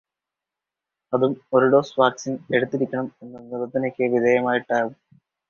അതും ഒരു ഡോസ് വാക്സിന് എടുത്തിരിക്കണം എന്ന നിബന്ധനയ്ക്ക് വിധേയമായിട്ടാകും.